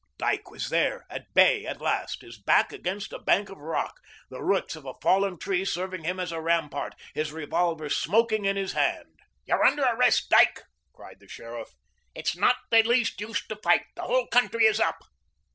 Dyke was there, at bay at last, his back against a bank of rock, the roots of a fallen tree serving him as a rampart, his revolver smoking in his hand. "You're under arrest, Dyke," cried the sheriff. "It's not the least use to fight. The whole country is up."